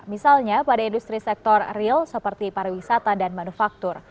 misalnya pada industri sektor real seperti pariwisata dan manufaktur